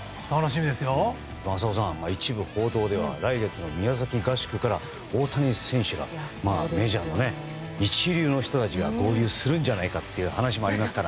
浅尾さん、一部報道では来月の宮崎合宿から大谷選手がメジャーのね、一流の人たちが合流するんじゃないかっていう話もありますから。